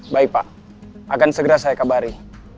baik pak akan segera saya kabari